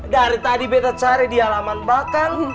dari tadi bete cari di halaman belakang